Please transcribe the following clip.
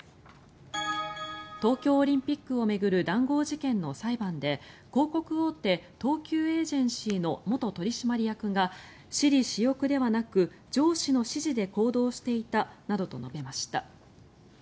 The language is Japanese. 東京オリンピックを巡る談合事件の裁判で広告大手、東急エージェンシーの元取締役が私利私欲ではなく上司の指示で行動していたなどと述べました。